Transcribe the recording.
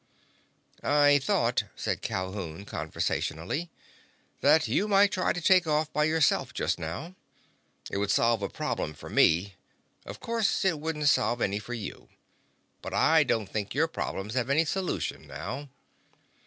"I thought," said Calhoun conversationally, "that you might try to take off by yourself, just now. It would solve a problem for me. Of course it wouldn't solve any for you. But I don't think your problems have any solution, now."